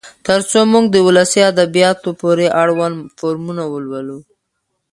تر څو موږ د ولسي ادبياتو پورې اړوند فورمونه ولولو.